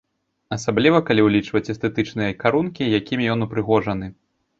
Асабліва, калі ўлічваць эстэтычныя карункі, якімі ён упрыгожаны.